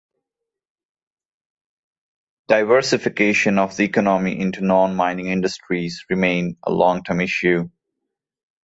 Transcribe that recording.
Diversification of the economy into non-mining industries remains a long-term issue.